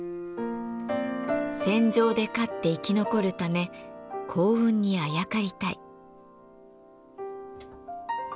戦場で勝って生き残るため幸運にあやかりたい。